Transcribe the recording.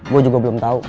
gue juga belum tau